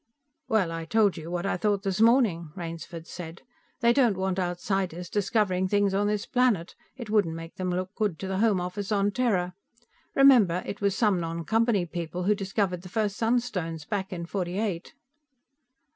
"Well, I told you what I thought this morning," Rainsford said. "They don't want outsiders discovering things on this planet. It wouldn't make them look good to the home office on Terra. Remember, it was some non Company people who discovered the first sunstones, back in 'Forty eight."